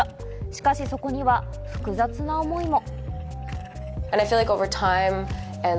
しかしそこには複雑な思いが。